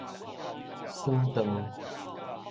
損蕩